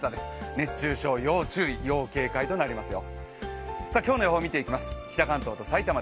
熱中症要注意・要警戒となりますよ。